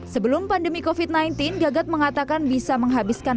sebelum pandemi covid sembilan belas gagat mengatakan bisa menghabiskan